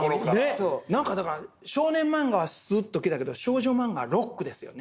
何かだから少年漫画はスッと来たけど少女漫画はロックですよね。